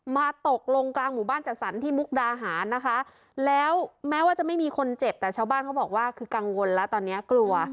มาตกลงกลางหมู่บ้านจัดสรรที่มุกดาหารนะคะแล้วแม้ว่าจะไม่มีคนเจ็บแต่ชาวบ้านเขาบอกว่าคือกังวลแล้วตอนนี้กลัว